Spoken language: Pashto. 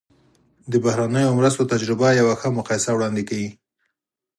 د بهرنیو مرستو تجربه یوه ښه مقایسه وړاندې کوي.